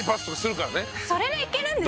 それでいけるんですか？